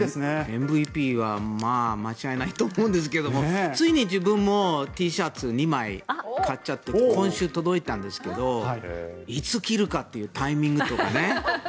ＭＶＰは間違いないと思うんですけどついに自分もＴシャツ２枚買っちゃって今週、届いたんですがいつ着るかっていうタイミングとかね。